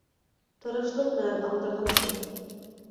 Тырышлыҡ менән алдырҙым шул.